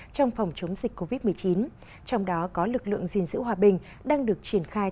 trong phòng chống dịch covid một mươi chín trong đó có lực lượng gìn giữ hòa bình đang được triển khai